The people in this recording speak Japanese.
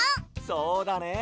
そうだね